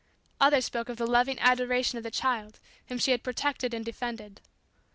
Others spoke of the loving adoration of the children whom she had protected and defended.